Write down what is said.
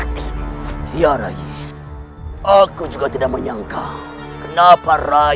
dia orang yang aku kenal